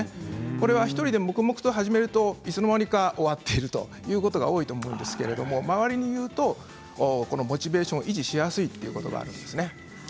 これは１人で黙々と始めるといつの間にか終わっているということが多いと思うんですけれど周りに言うとモチベーションを維持しやすいということがあるんですね。